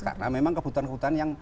karena memang kebutuhan kebutuhan yang